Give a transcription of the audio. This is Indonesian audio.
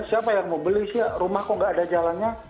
siapa yang mau beli sih rumah kok nggak ada jalannya